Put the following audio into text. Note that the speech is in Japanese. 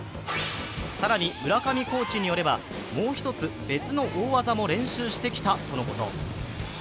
更に村上コーチによれば、もう一つ別の大技も練習してきたとのこと。